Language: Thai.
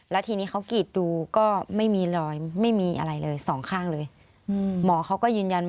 แล้วทีนี้เขากรีดดูก็ไม่มีรอยไม่มีอะไรเลยสองข้างเลย